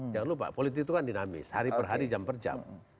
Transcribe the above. jangan lupa politik itu kan dinamis hari per hari jam per jam